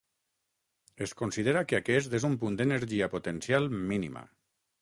Es considera que aquest és un punt d'energia potencial mínima.